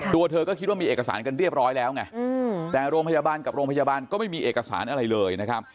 ตัวเธอก็คิดว่ามีเอกสารกันเรียบร้อยแล้วไงแต่โรงพยาบาลกับโรงพยาบาลก็ไม่มีเอกสารอะไรเลยนะครับ